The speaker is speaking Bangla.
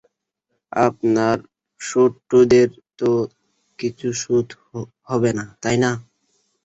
আপনার সুদ-টুদের তো কিছু শোধ হবে না, তাই না?